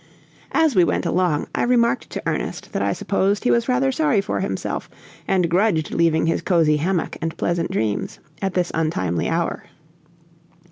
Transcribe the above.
As we went along, I remarked to Ernest that I supposed he was rather sorry for himself, and grudged leaving his cozy hammock and pleasant dreams at this untimely hour.